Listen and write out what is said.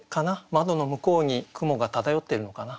窓の向こうに雲が漂ってるのかな。